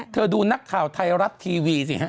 เธอดูนักข่าวไทยรัฐทีวีสิครับ